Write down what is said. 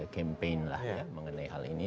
campaign lah ya mengenai hal ini